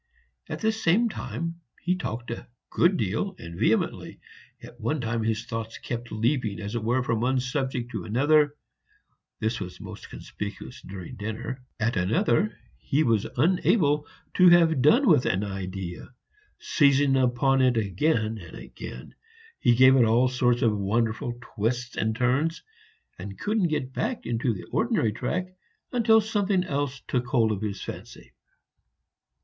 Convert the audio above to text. At the same time he talked a good deal and vehemently; at one time his thoughts kept leaping, as it were, from one subject to another (this was most conspicuous during dinner); at another, he was unable to have done with an idea; seizing upon it again and again, he gave it all sorts of wonderful twists and turns, and couldn't get back into the ordinary track until something else took hold of his fancy.